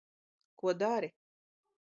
Ko dari